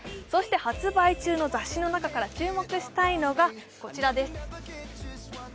そして発売中の雑誌の中から注目したいのがこちらです。